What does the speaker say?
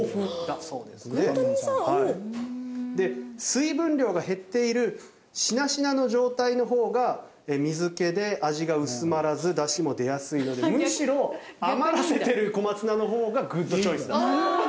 おお！で水分量が減っているしなしなの状態の方が水気で味が薄まらずダシも出やすいのでむしろ余らせてる小松菜の方がグッドチョイスだと。